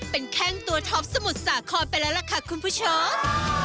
เป็นแข้งตัวท็อปสมุทรสาครไปแล้วล่ะค่ะคุณผู้ชม